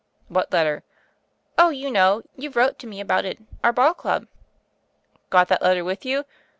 " *What letter?' " *0h, you know; youVe wrote to mc about it. Our ball club.' " 'Got that letter with you